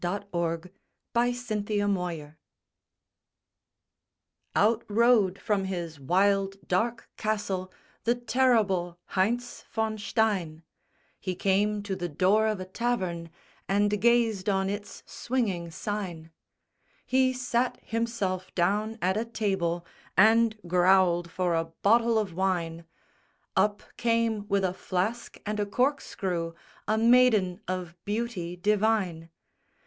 _ THE LEGEND OF HEINZ VON STEIN Out rode from his wild, dark castle The terrible Heinz von Stein; He came to the door of a tavern And gazed on its swinging sign. He sat himself down at a table, And growled for a bottle of wine; Up came with a flask and a corkscrew A maiden of beauty divine.